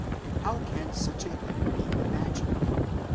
How can such a thing be imagined